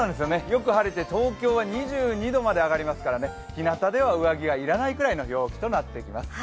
よく晴れて東京は２２度まで上がりますから、ひなたでは上着が要らないような陽気となっています。